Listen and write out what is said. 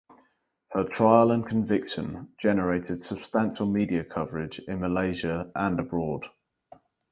Her trial and conviction generated substantial media coverage in Malaysia and abroad.